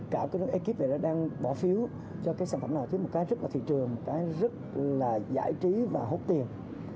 cả cái ekip này đang bỏ phiếu cho cái sản phẩm nào chứ một cái rất là thị trường một cái rất là giải trí và hốt tiền